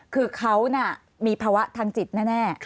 คือเขามีภาวะทางจิตแน่